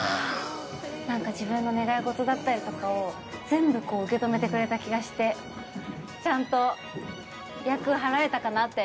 なんか自分の願い事だったりとかを全部受け止めてくれた気がしてちゃんと厄を払えたかなって。